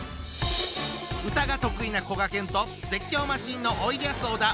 歌が得意なこがけんと絶叫マシンのおいでやす小田。